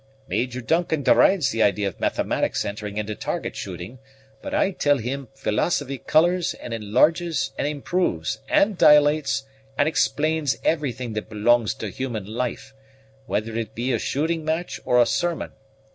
"Major Duncan derides the idea of mathematics entering into target shooting; but I tell him philosophy colors, and enlarges, and improves, and dilates, and explains everything that belongs to human life, whether it be a shooting match or a sermon.